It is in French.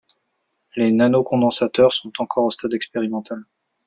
Les nanocondensateurs sont encore au stade expérimental.